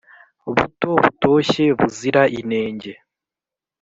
buto butoshye buzira inenge